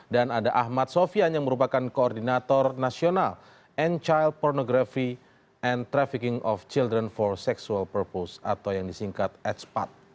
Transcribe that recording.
dan ada ahmad sofian yang merupakan koordinator nasional and child pornography and trafficking of children for sexual purpose atau yang disingkat etspat